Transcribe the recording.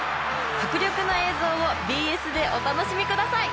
迫力の映像をＢＳでお楽しみください！